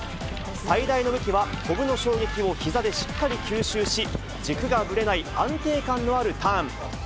最大の武器は、こぶの衝撃をひざでしっかり吸収し、軸がぶれない安定感のあるターン。